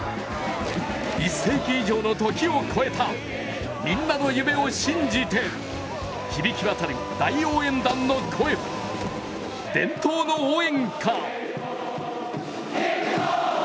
１世紀以上の時を超えたみんなの夢を信じて、響き渡る大応援団の声、伝統の応援歌。